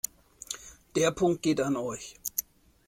Der Punkt geht an euch.